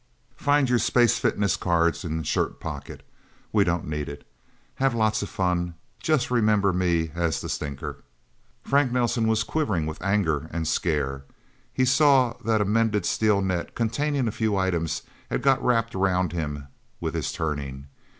Find your space fitness card in shirt pocket. We don't need it. Have lots of fun. Just remember me as The Stinker." Frank Nelsen was quivering with anger and scare. He saw that a mended steel net, containing a few items, had got wrapped around him with his turning.